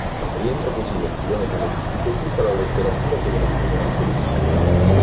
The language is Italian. Rientra così nel filone cameristico tutta la letteratura per uno strumento solista.